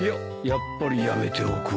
やっぱりやめておこう。